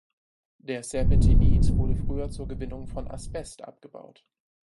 Der Serpentinit wurde früher zur Gewinnung von Asbest abgebaut.